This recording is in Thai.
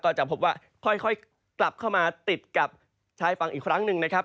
จะพบว่าค่อยกลับเข้ามาติดกับชายฝั่งอีกครั้งหนึ่งนะครับ